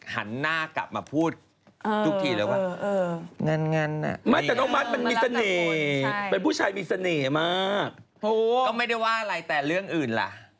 หันหน้ากลับมาพูด